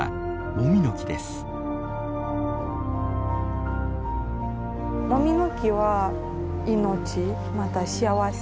もみの木は命また幸せ。